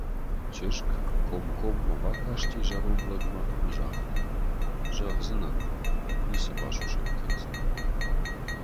Чызг комкоммӕ бакасти зӕронд лӕгмӕ ӕмӕ загъта: «Зӕгъдзынӕн, ницы басусӕг кӕндзынӕн».